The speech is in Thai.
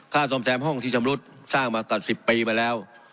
ซ่อมแซมห้องที่ชำรุดสร้างมากับ๑๐ปีไปแล้ว